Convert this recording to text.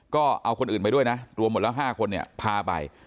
ก็เอาคนอื่นไปด้วยนะรวมหมดแล้ว๕คนเนี่ยพาไป